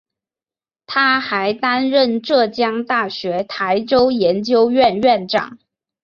他还担任浙江大学台州研究院院长。